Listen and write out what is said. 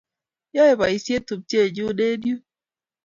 Yae poisyet tupchennyu eng' yun